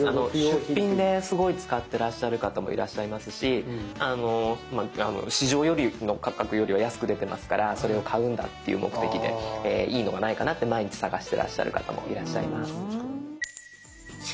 出品ですごい使ってらっしゃる方もいらっしゃいますし市場の価格よりは安く出てますからそれを買うんだっていう目的でいいのがないかなって毎日探してらっしゃる方もいらっしゃいます。